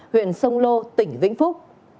huyện sông lô tỉnh vĩnh phúc